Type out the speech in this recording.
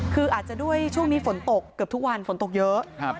คืออาจจะด้วยช่วงนี้ฝนตกเกือบทุกวันฝนตกเยอะ